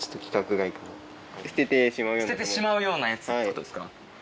捨ててしまうようなやつってことですか。